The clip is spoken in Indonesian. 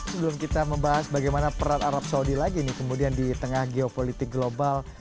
sebelum kita membahas bagaimana peran arab saudi lagi nih kemudian di tengah geopolitik global